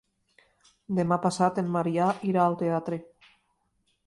Demà passat en Maria irà al teatre.